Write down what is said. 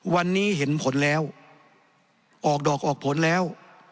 วันนี้เห็นผลแล้วออกดอกออกผลแล้ว